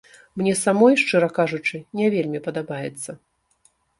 Мне самой, шчыра кажучы, не вельмі падабаецца.